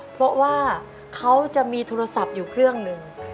เพราะว่าเขาจะมีโทรศัพท์อยู่เครื่องหนึ่ง